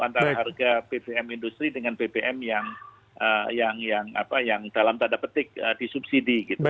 antara harga bbm industri dengan bbm yang dalam tanda petik disubsidi gitu